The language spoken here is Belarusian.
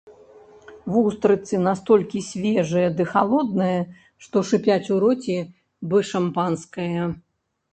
Вустрыцы настолькі свежыя ды халодныя, што шыпяць у роце, бы шампанскае.